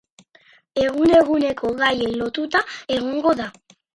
Egun eguneko gaiei lotuta egongo da.